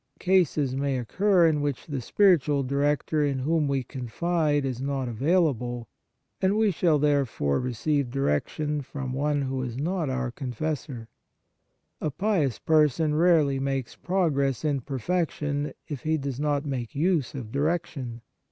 Cases may occur in which the spiritual director in whom we confide is not available, and we shall there 102 The Sacrament of Penance fore receive direction from one who is not our confessor. A pious person rarely makes pro gress in perfection if he does not make use of direction.